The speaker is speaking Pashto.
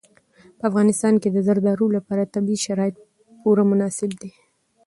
په افغانستان کې د زردالو لپاره طبیعي شرایط پوره مناسب دي.